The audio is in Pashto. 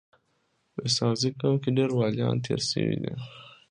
په اسحق زي قوم کي ډير وليان تیر سوي دي.